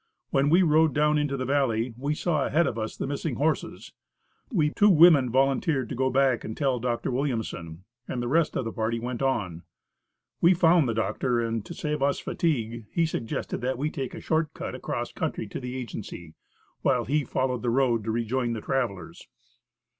When we rode down into the valley, we saw ahead of us, the missing horses. We two women volunteered to go back to tell Dr. Williamson, and the rest of the party went on. We found the doctor, and to save us fatigue, he suggested that we take a short cut across country to the agency, while he followed the road to rejoin the travelers.